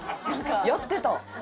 やってた。